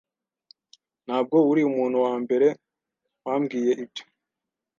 Ntabwo uri umuntu wambere wambwiye ibyo.